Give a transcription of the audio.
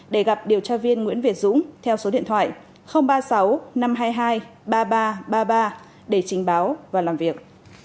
để gặp điều tra viên nguyễn việt dũng theo số điện thoại ba mươi sáu năm trăm hai mươi hai ba nghìn ba trăm ba mươi ba để trình báo và làm việc